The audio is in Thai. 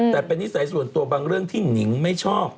แต่เป็นนิสัยส่วนตัวบางเรื่องที่หนิงไม่ชอบ